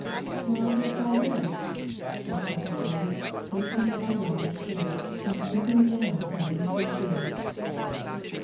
"Well, I guess I will," said 'Tilda Jane, placing her bundle on a chair, and stooping down to unloose her shoes.